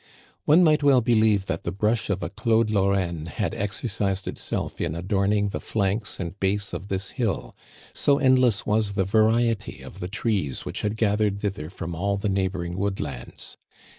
One might well believe that the brush of a Claude Lorraine had exercised itself in adorning the flanks and base of this hill, so endless was the variety of the trees which had gathered thither from all the neighboring woodlands.